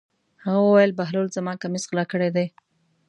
هغه وویل: بهلول زما کمیس غلا کړی دی.